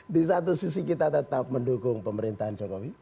di satu sisi kita tetap mendukung pemerintahan jokowi